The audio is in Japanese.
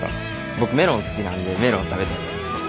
僕メロン好きなんでメロン食べたいです。